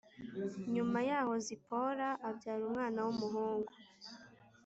Nyuma yaho Zipora abyara umwana w umuhungu